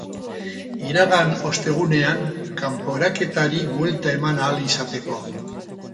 Iragan ostegunean kanporaketari buelta eman ahal izateko.